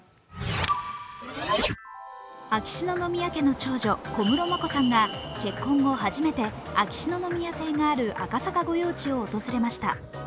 秋篠宮家の長女・小室眞子さんが結婚後初めて、秋篠宮邸がある赤坂御用地を訪れました。